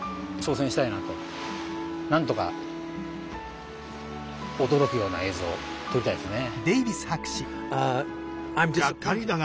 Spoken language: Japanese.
なんとか驚くような映像撮りたいですね。